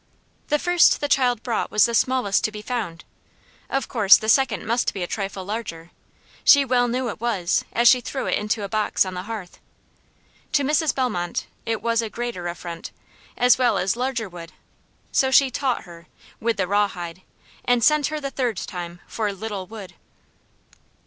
The first the child brought was the smallest to be found; of course, the second must be a trifle larger. She well knew it was, as she threw it into a box on the hearth. To Mrs. Bellmont it was a greater affront, as well as larger wood, so she "taught her" with the raw hide, and sent her the third time for "little wood."